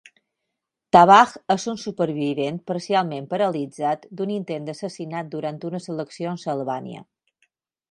Tabaj és un supervivent parcialment paralitzat d"un intent d"assassinat durant unes eleccions a Albània.